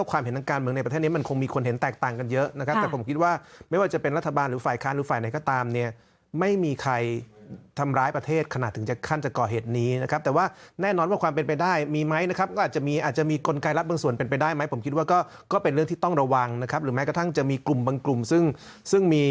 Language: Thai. ว่าไม่ว่าจะเป็นรัฐบาลหรือฝ่ายคารหรือฝ่ายไหนก็ตามเนี่ยไม่มีใครทำร้ายประเทศขนาดถึงจะขั้นจะก่อเหตุนี้นะครับแต่ว่าแน่นอนว่าความเป็นไปได้มีไหมนะครับก็อาจจะมีอาจจะมีกลไกรรับบางส่วนเป็นไปได้ไหมผมคิดว่าก็ก็เป็นเรื่องที่ต้องระวังนะครับหรือแม้กระทั่งจะมีกลุ่มบางกลุ่มซึ่งซึ่งมี